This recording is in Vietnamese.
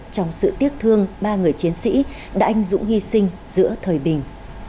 trong sự tiếc thương ba người chiến sĩ đã anh dũng hy sinh giữa thời bình